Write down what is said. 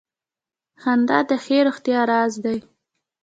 • خندا د ښې روغتیا راز دی.